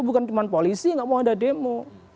bukan cuma polisi nggak mau ada demo